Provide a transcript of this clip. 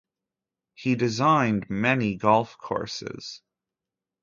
He designed many golf courses.